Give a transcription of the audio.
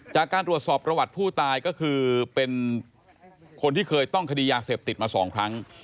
จากการตรวจสอบประวัติผู้ตายก็คือเป็นคนที่เคยต้องคดียาเสพติดมา๒ครั้ง